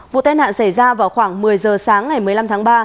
vụ tai nạn xảy ra vào khoảng một mươi giờ sáng ngày một mươi năm tháng ba